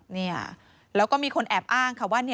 เนี่ยแล้วก็มีคนแอบอ้างค่ะว่า